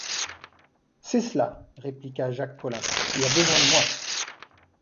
C’est cela, répliqua Jacques Collin, il a besoin de moi!...